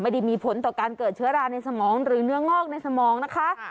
ไม่ได้มีผลต่อการเกิดเชื้อราในสมองหรือเนื้องอกในสมองนะคะ